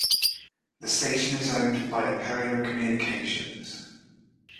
The station is owned by Aperio Communications.